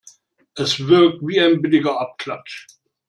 Es wirkt wie ein billiger Abklatsch.